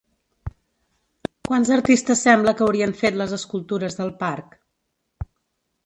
Quants artistes sembla que haurien fet les escultures del parc?